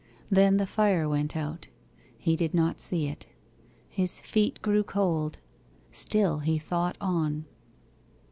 Then the fire went out: he did not see it. His feet grew cold; still he thought on.